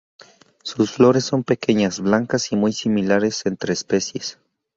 Sus flores son pequeñas, blancas y muy similares entre especies.